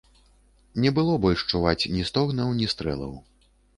Не было больш чуваць ні стогнаў, ні стрэлаў.